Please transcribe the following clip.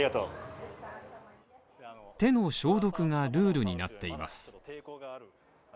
手の消毒がルールになっています。